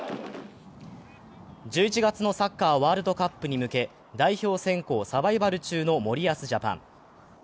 １１月のサッカーワールドカップに向け代表選考サバイバル中の森保ジャパン。